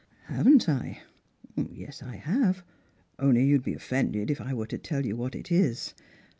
" Haven't I? Yes, I have ; only you'd be oflFended if I were to tell you what it is.